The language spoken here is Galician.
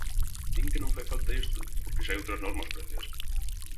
Din que non fai falta isto porque xa hai outras normas previas.